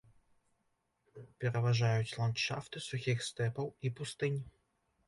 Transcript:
Пераважаюць ландшафты сухіх стэпаў і пустынь.